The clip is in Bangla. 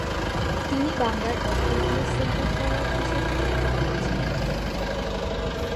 তিনি বাংলার অদ্বিতীয় সেন্টার ফরওয়ার্ড হিসাবে বিখ্যাত হয়েছিলেন।